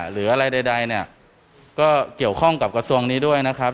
หรืออะไรใดเนี่ยก็เกี่ยวข้องกับกระทรวงนี้ด้วยนะครับ